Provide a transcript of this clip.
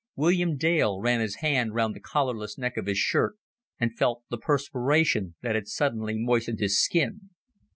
William Dale ran his hand round the collarless neck of his shirt, and felt the perspiration that had suddenly moistened his skin.